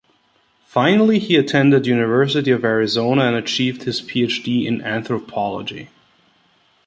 Finally he attended University of Arizona and achieved his Ph.D. in Anthropology.